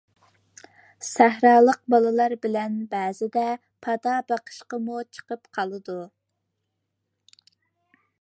سەھرالىق بالىلار بىلەن بەزىدە پادا بېقىشقىمۇ چىقىپ قالىدۇ.